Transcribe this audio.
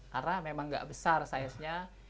karena memang gak besar size nya